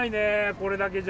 これだけじゃ。